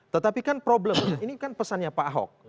tetapi kan problem ini kan pesannya pak ahok